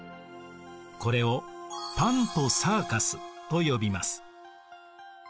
これをパンとサーカスと呼びます。